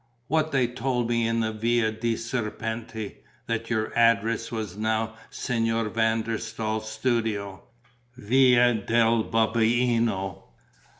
"What they told me in the Via dei Serpenti, that your address was now Signor van der Staal's studio, Via del Babuino."